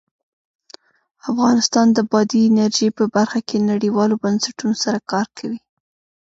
افغانستان د بادي انرژي په برخه کې نړیوالو بنسټونو سره کار کوي.